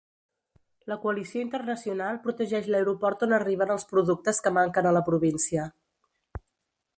La coalició internacional protegeix l'aeroport on arriben els productes que manquen a la província.